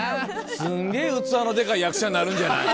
すんげぇ器のデカい役者になるんじゃない。